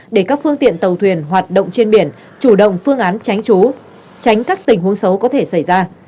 để các phương tiện tàu thuyền hoạt động trên biển chủ động phương án tránh trú tránh các tình huống xấu có thể xảy ra